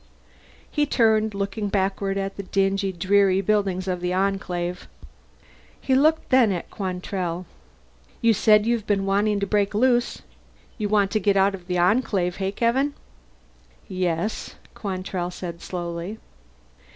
He turned, looking backward at the dingy dreary buildings of the Enclave. He looked then at Quantrell. "You said you've been wanting to break loose. You want to get out of the Enclave, eh, Kevin?" "Yes," Quantrell said slowly.